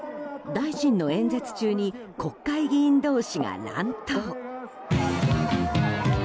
大臣の演説中に国会議員同士が乱闘。